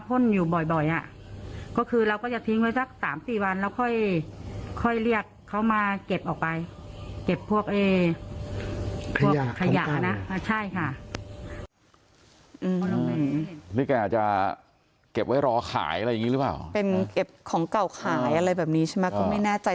เป็นเก็บของเก่าขายอะไรแบบนี้ใช่ไหมก็ไม่แน่ใจ